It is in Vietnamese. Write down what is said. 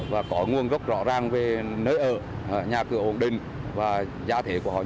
và có nguồn gốc rõ ràng về nơi ở